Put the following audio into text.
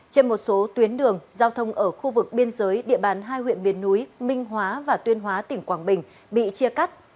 trên một số tuyến đường giao thông ở khu vực biên giới địa bàn hai huyện miền núi minh hóa và tuyên hóa tỉnh quảng bình bị chia cắt